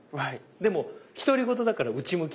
でも独り言だから内向き。